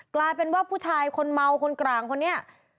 กลายเป็นว่าผู้ชายคนเมาคนกลางคนนี้